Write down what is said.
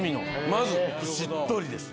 まずしっとりです。